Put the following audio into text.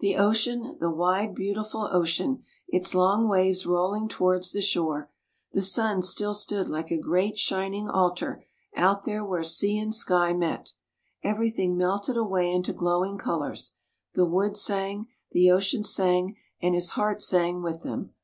The ocean, the wide, beautiful ocean, its long waves rolling towards the shore. The sun still stood like a great shining altar, out there where sea and sky met. Everything melted away into glowing colours; the wood sang, the ocean sang, and his heart sang with them.